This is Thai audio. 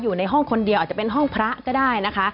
แต่แน่นอนว่าคุณพัชรีเป็นผู้โชคดี